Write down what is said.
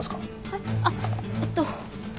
えっ？あっえっと